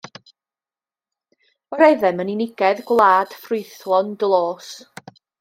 Yr oeddem yn unigedd gwlad ffrwythlon dlos.